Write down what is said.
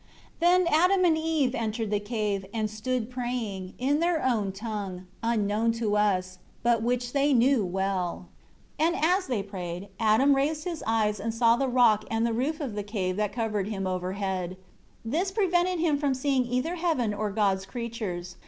1 Then Adam and Eve entered the cave, and stood praying, in their own tongue, unknown to us, but which they knew well. 2 And as they prayed, Adam raised his eyes and saw the rock and the roof of the cave that covered him overhead. This prevented him from seeing either heaven or God's creatures.